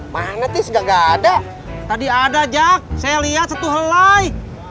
mana tiga ada tadi ada jack saya lihat satu helai